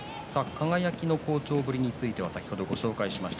輝の好調ぶり先ほどご紹介しました。